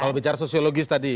kalau bicara sosiologis tadi